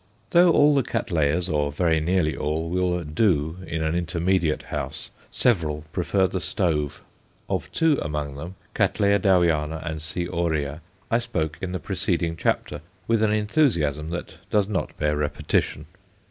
Though all the Cattleyas, or very nearly all, will "do" in an intermediate house, several prefer the stove. Of two among them, C. Dowiana and C. aurea, I spoke in the preceding chapter with an enthusiasm that does not bear repetition.